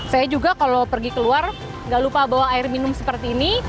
saya juga kalau pergi keluar nggak lupa bawa air minum seperti ini